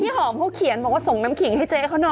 หอมเขาเขียนบอกว่าส่งน้ำขิงให้เจ๊เขาหน่อย